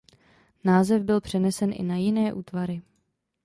Název byl přenesen i na jiné útvary.